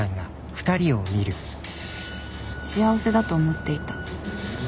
幸せだと思っていた。